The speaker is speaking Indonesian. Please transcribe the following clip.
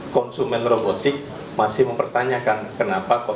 konsumen robotik masih mempertahankan